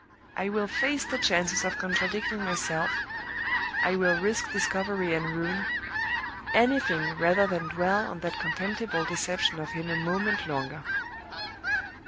I will face the chances of contradicting myself I will risk discovery and ruin anything rather than dwell on that contemptible deception of him a moment longer.